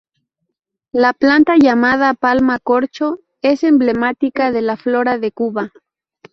La planta, llamada palma corcho, es emblemática de la flora de Cuba.